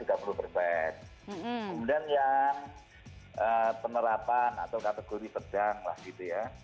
kemudian yang penerapan atau kategori sedang lah gitu ya